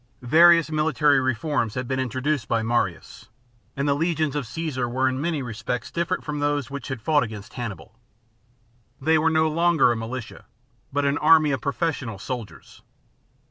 ^ Various military reforms had been introduced by Marius ; and the legions of Caesar were in many respects different from those which had fought against Hannibal. They were no longer a militia, but an army of professional soldiers.